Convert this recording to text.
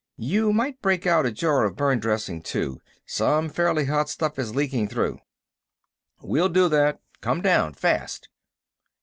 "You might break out a jar of burn dressing, too. Some fairly hot stuff is leaking through." "We'll do that. Come down, fast!"